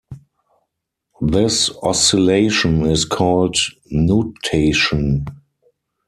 This oscillation is called "nutation".